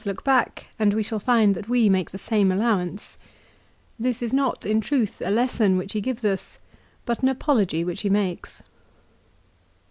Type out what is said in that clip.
387 look back and we shall find that we make the same allowance. This is not, in truth, a lesson which he gives us, but an apology which he makes.